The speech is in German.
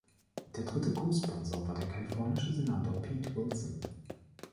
Der Dritte Co-Sponsor war der kalifornische Senator Pete Wilson.